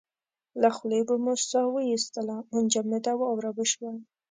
له خولې به مو ساه واېستله منجمده واوره به شوه.